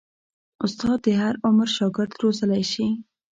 استاد د هر عمر شاګرد روزلی شي.